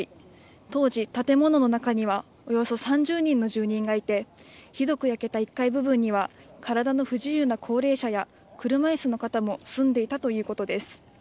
当時、建物の中にはおよそ３０人の住人がいてひどく焼けた一階部分には体の不自由な高齢者や車いすの方も住んでいたということです。